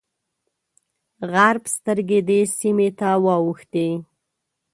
غرب سترګې دې سیمې ته واوښتې.